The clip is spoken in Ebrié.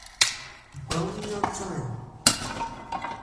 Ban ńmyɔ́ chan ɛ ?